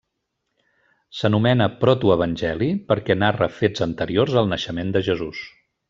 S'anomena protoevangeli perquè narra fets anteriors al naixement de Jesús.